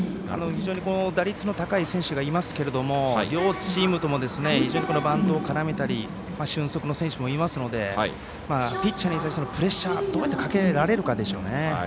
非常に打率の高い選手がいますけれども両チームともバントを絡めたり俊足の選手もいますのでピッチャーに対してプレッシャーをどうやってかけられるかでしょうね。